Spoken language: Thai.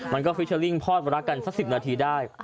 มันก็ฟิชเชอริงพอร์ตรักกันสัก๑๐นาทีได้